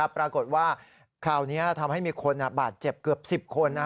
ปรากฏว่าคราวนี้ทำให้มีคนบาดเจ็บเกือบ๑๐คน